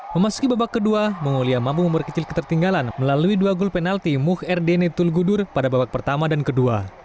memasuki babak kedua mongolia mampu memperkecil ketertinggalan melalui dua gol penalti mukherdene tulgudur pada babak pertama dan kedua